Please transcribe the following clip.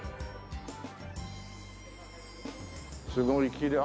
すごいきれい。